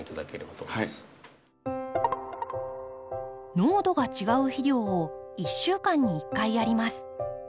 濃度が違う肥料を１週間に１回やります。